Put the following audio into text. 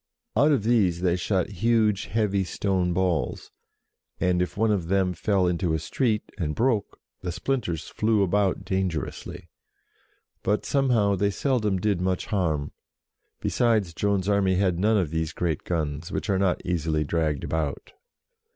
Out of these they shot huge, heavy stone balls, and if one of them fell into a street, and broke, the splinters flew about dangerously. But, somehow, they seldom did much harm, be sides Joan's army had none of these great guns, which are not easily dragged about.